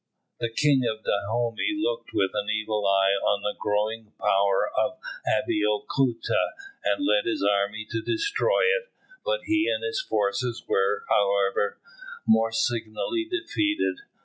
"The King of Dahomey looked with an evil eye on the growing power of Abeokuta, and led his army to destroy it; but he and his forces were, however, most signally defeated.